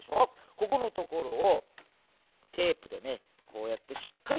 ここのところをテープでねこうやってしっかりとめます。